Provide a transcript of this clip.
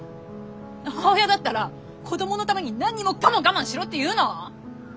母親だったら子供のために何もかも我慢しろっていうの？